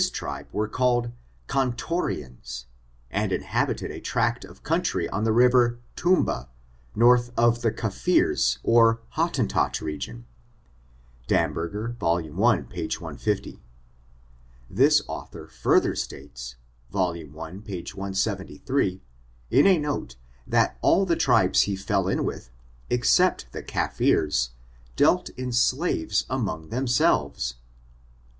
261 tribe were called Kan torrians, and inhabited a tract of country on the river Tumba, north of the Cafirees or Hottentot region. — Damberger, voL i, p. 150. This author further states, vol. 1, p. 173, in a note, that all the tribes he fell in with, except the Cafirees, dealt in slaves among themselves.